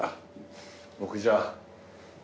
僕じゃあ。